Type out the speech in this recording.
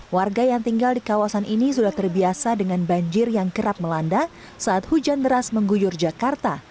warga yang tinggal di kawasan ini sudah terbiasa dengan banjir yang kerap melanda saat hujan deras mengguyur jakarta